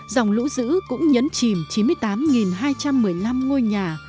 dòng lũ dữ cũng nhấn chìm chín mươi tám hai trăm một mươi năm ngôi nhà